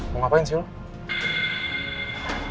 mau ngapain sih lo